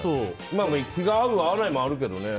気が合う、合わないもあるけどね。